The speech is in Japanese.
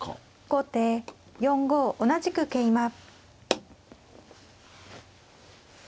後手４五同じく桂馬。